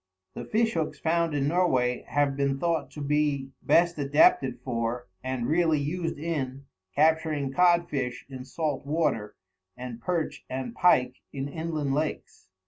The fish hooks found in Norway have been thought to be best adapted for, and really used in, capturing cod fish in salt water and perch and pike in inland lakes.